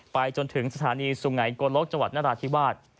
ไปจนถึงสถานีสุงไหนกลกจัวร์นราธิบาท